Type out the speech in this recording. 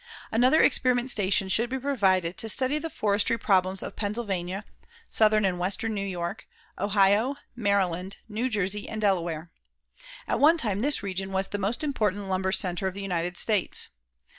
Another experiment station should be provided to study the forestry problems of Pennsylvania, southern and western New York, Ohio, Maryland, New Jersey and Delaware. At one time this region was the most important lumber centre of the United States.